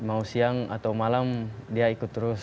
mau siang atau malam dia ikut terus